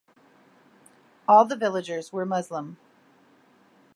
All the villagers were Muslim.